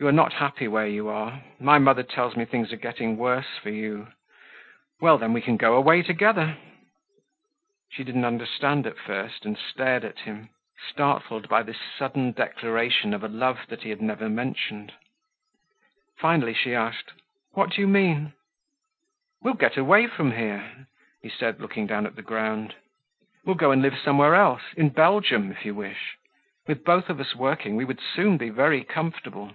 You are not happy where you are. My mother tells me things are getting worse for you. Well, then, we can go away together." She didn't understand at first and stared at him, startled by this sudden declaration of a love that he had never mentioned. Finally she asked: "What do you mean?" "We'll get away from here," he said, looking down at the ground. "We'll go live somewhere else, in Belgium, if you wish. With both of us working, we would soon be very comfortable."